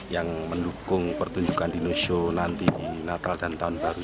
yang mendukung pertunjukan di nushow nanti di natal dan tahun baru